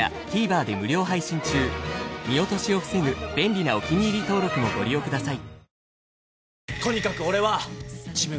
見落としを防ぐ便利なお気に入り登録もご利用ください。